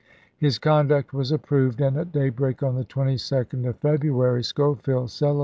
His conduct was approved, and at daybreak on the 22d of February Schofield cele tare.